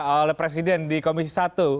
oleh presiden di komisi satu